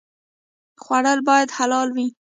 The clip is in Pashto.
خوړل باید حلال وي